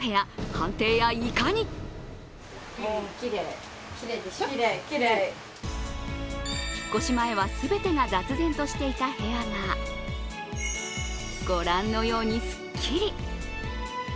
判定やいかに引っ越し前は全てが雑然としていた部屋がご覧のように、すっきり。